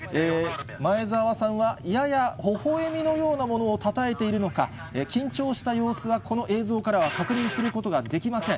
前澤さんはややほほえみのようなものをたたえているのか、緊張した様子はこの映像からは確認することはできません。